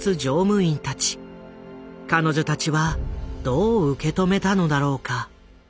彼女たちはどう受け止めたのだろうか。